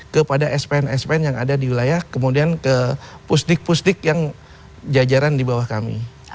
kepada spn spn yang ada di wilayah kemudian ke pusdik pusdik yang jajaran di bawah kami